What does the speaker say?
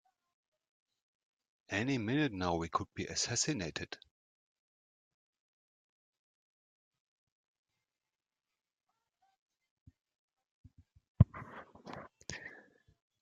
Any minute now we could be assassinated!